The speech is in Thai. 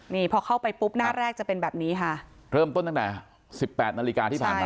นี่พอเข้าไปปุ๊บหน้าแรกจะเป็นแบบนี้ค่ะเริ่มต้นตั้งแต่สิบแปดนาฬิกาที่ผ่านมา